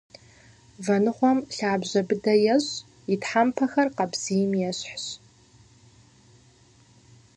Вэныгъуэм лъабжьэ быдэ ещӏ, и тхьэмпэхэр къабзийм ещхьщ.